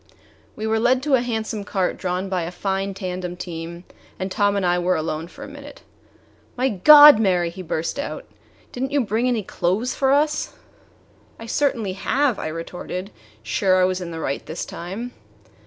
We were led to a handsome cart drawn by a fine tandem team, and Tom and I were alone for a minute. "My God, Mary!" he burst out, "didn't you bring any clothes for us?" "I certainly have," I retorted, sure I was in the right this time.